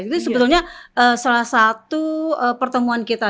itu sebetulnya salah satu pertemuan kita